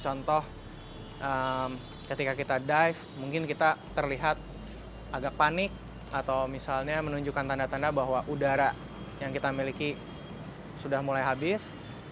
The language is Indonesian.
contoh ketika kita dive mungkin kita terlihat agak panik atau misalnya menunjukkan tanda tanda bahwa udara yang kita miliki sudah mulai habis